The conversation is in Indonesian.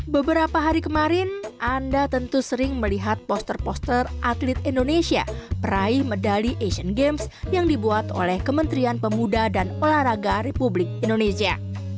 beberapa hari kemarin anda tentu sering melihat poster poster atlet indonesia peraih medali asian games yang dibuat oleh kementerian pemuda dan olahraga republik indonesia